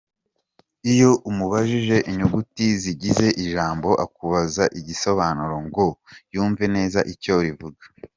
Iyo umubajije inyuguti zigize ijambo, akubaza igisobanuro ngo yumve neza icyo rivuga.